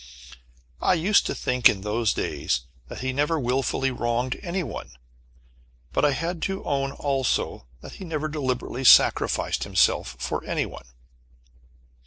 I used to think in those days that he never willfully wronged any one, but I had to own also that he never deliberately sacrificed himself for any one.